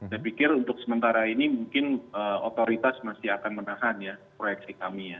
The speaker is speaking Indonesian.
saya pikir untuk sementara ini mungkin otoritas masih akan menahan ya proyeksi kami ya